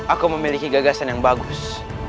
aku memiliki gagasan yang bagus